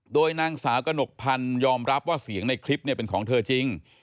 โดยนางสาวกระหนกพันธ์ยอมรับว่าเสียงในคลิปเป็นของเธอจริง